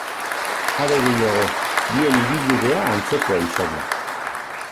Are gehiago, bien ibilbidea antzekoa izan da.